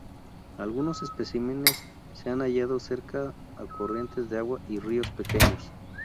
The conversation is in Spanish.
Algunos especímenes se han hallado cerca a corrientes de agua y ríos pequeños.